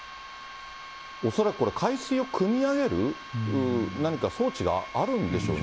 恐らくこれ、海水をくみ上げる、何か装置があるんでしょうね。